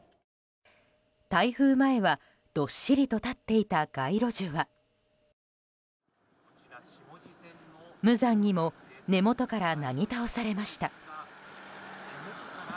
台風前はどっしりと立っていた街路樹は無残にも根元からなぎ倒されました。